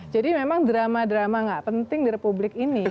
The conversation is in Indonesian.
jadi memang drama drama nggak penting di republik ini